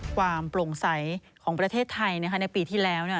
ความโปร่งใสของประเทศไทยในปีที่แล้ว